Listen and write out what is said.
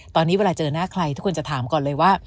ตอนนี้เวลาเจอหน้าใครทุกคนจะถามก่อนเลยว่า